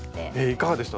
いかがでした？